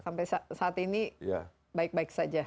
sampai saat ini baik baik saja